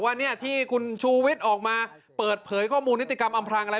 ว่าเนี่ยที่คุณชูวิทย์ออกมาเปิดเผยข้อมูลนิติกรรมอำพลางอะไร